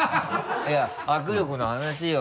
いや握力の話よ。